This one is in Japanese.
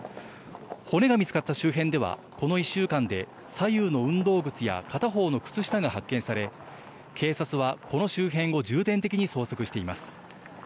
骨が見つかった周辺では、この１週間で左右の運動靴や片方の靴下が発見され、警察はこの周辺を重点的に捜索しています。